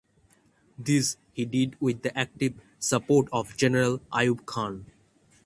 This he did with the active support of General Ayub Khan.